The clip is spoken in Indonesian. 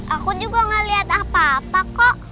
aku juga gak lihat apa apa kok